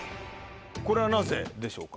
これはなぜでしょうか？